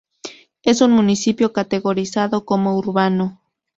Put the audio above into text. Es un municipio categorizado como urbano.